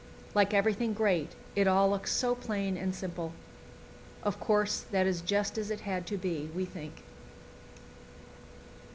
Like everything great, it all looks so plain and simple. Of course, that is just as it had to be, we think.